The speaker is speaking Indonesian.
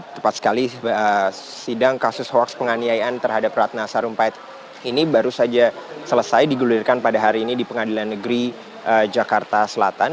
tepat sekali sidang kasus hoaks penganiayaan terhadap ratna sarumpait ini baru saja selesai digulirkan pada hari ini di pengadilan negeri jakarta selatan